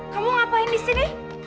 kamu ngapain di sini